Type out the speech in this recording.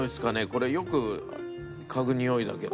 これよく嗅ぐにおいだけど。